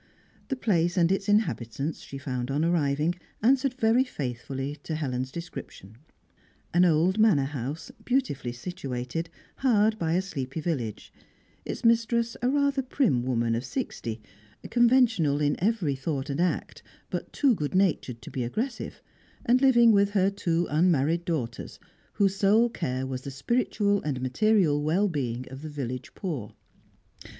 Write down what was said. The place and its inhabitants, she found on arriving, answered very faithfully to Helen's description; an old manor house, beautifully situated, hard by a sleepy village; its mistress a rather prim woman of sixty, conventional in every thought and act, but too good natured to be aggressive, and living with her two unmarried daughters, whose sole care was the spiritual and material well being of the village poor.